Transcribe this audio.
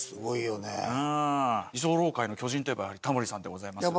うーん。居候界の巨人といえばタモリさんでございます。